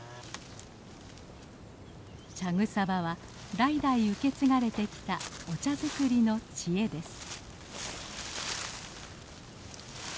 茶草場は代々受け継がれてきたお茶作りの知恵です。